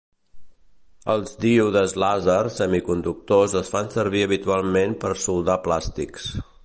Els díodes làser semiconductors es fan servir habitualment per soldar plàstics.